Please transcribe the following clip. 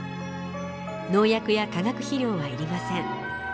農薬や化学肥料は要りません。